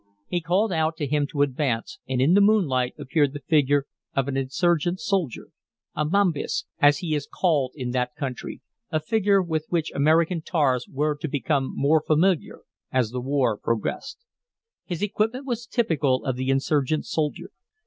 He called out to him to advance, and in the moonlight appeared the figure of an insurgent soldier, a mambis, as he is called in that country, a figure with which American tars were to become more familiar as the war progressed. His equipment was typical of the insurgent soldier.